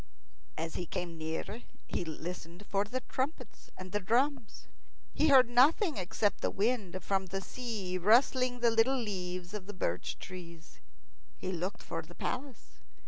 As he came near, he listened for the trumpets and the drums. He heard nothing except the wind from the sea rustling the little leaves of birch trees. He looked for the palace.